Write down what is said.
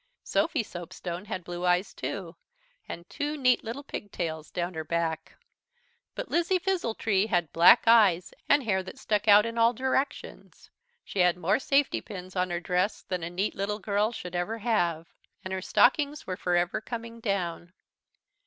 Sophy Soapstone had blue eyes, too, and two neat little pigtails down her back. But Lizzie Fizzletree had black eyes and hair that stuck out in all directions. She had more safety pins on her dress than a neat little girl should ever have. And her stockings were forever coming down.